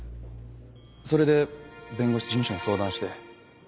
それで弁護士事務所に相談して。